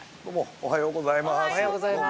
◆おはようございます。